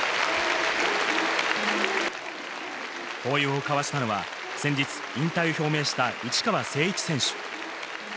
抱擁を交わしたのは先日引退を表明した、内川聖一選手。